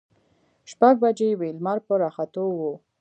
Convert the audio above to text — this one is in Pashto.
شپږ بجې وې، لمر په راختو و.